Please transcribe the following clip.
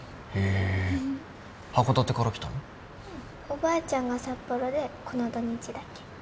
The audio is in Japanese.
おばあちゃんが札幌でこの土日だけ。